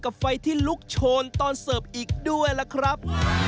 กับไฟที่ลกชนตอนเสิร์ฟอีกด้วยกัน